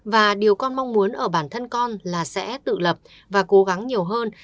và điều con mong muốn ở bản thân con là sẽ tự lập và cố gắng nhiều hơn